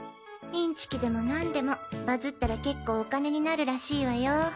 インチキでもなんでもバズったら結構お金になるらしいわよ。